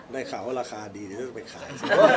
ได้ค่ะว่าราคาดีต่อไปขาย